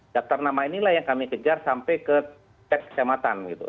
daftar nama inilah yang kami kejar sampai ke tingkat kecamatan gitu